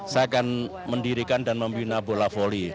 saya akan mendirikan dan membina bola volley